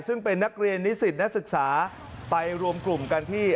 ซึ่งเป็นนักเรียนนิสิตนักศึกษาไปรวมกลุ่มกันที่